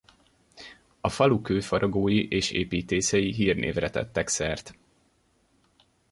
A falu kőfaragói és építészei hírnévre tettek szert.